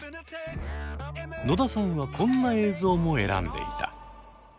野田さんはこんな映像も選んでいた。